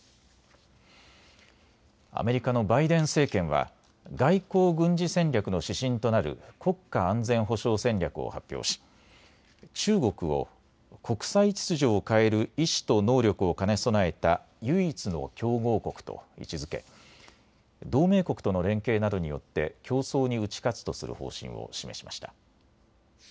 アメリカのバイデン政権は外交・軍事戦略の指針となる国家安全保障戦略を発表し中国を国際秩序を変える意思と能力を兼ね備えた唯一の競合国と位置づけ同盟国との連携などによって競争に打ち勝つとする方針を示しました。